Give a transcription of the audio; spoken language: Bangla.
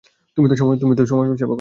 তুমি তো সমাজসেবা করছো।